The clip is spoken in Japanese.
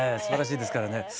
すばらしいですからね。